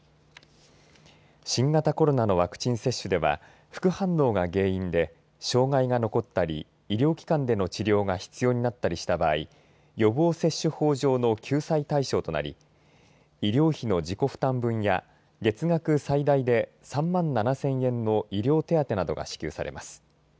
新型コロナのワクチン接種では副反応が原因で障害が残ったり医療機関での治療が必要になったりした場合予防接種法上の救済対象となり医療費の自己負担分や月額最大で３万７０００円の医療手当などが支給されます。